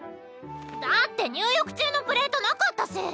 だって入浴中のプレートなかったし！